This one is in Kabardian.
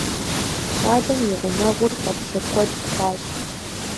ЩӀалэм и гъунэгъур фӀэпсэкӀуэд хъуащ.